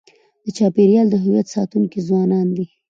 د چاپېریال د هویت ساتونکي ځوانان دي.